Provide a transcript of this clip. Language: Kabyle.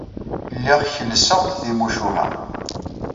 Lliɣ kellseɣ-d timucuha.